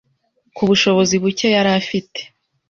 k’ ubushobozi buke yari afite